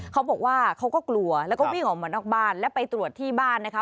เขาบอกว่าเขาก็กลัวแล้วก็วิ่งออกมานอกบ้านแล้วไปตรวจที่บ้านนะคะ